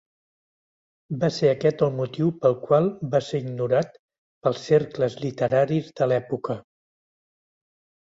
Va ser aquest el motiu pel qual va ser ignorat pels cercles literaris de l'època.